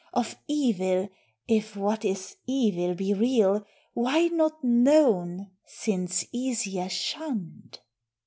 of evil, if what is evil Be real, why not known, since easier shunned?